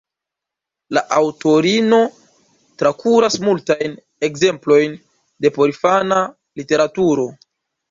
La aŭtorino trakuras multajn ekzemplojn de porinfana literaturo.